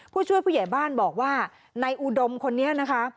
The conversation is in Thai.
ผู้ช่วยผู้ใหญ่บ้านบอกว่านายอุดมคนนี้นะคะ